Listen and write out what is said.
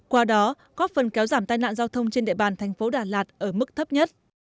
qua đó góp phần kéo giảm tai nạn giao thông trên địa bàn thành phố đà lạt ở mức thấp nhất